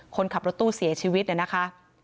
คนขับรถตู้เสียชีวิตนะคะ